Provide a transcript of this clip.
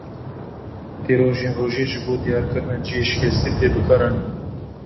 Tîrojên rojê ji bo diyarkirina ciyê şikestî tê bikaranîn.